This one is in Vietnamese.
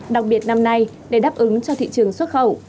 đặc biệt năm nay để đáp ứng cho thị trường xuất khẩu